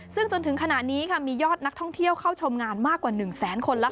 ซึ่งจนถึงขณะนี้ค่ะมียอดนักท่องเที่ยวเข้าชมงานมากกว่า๑แสนคนแล้ว